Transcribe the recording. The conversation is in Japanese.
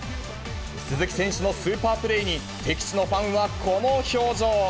鈴木選手のスーパープレーに、敵地のファンはこの表情。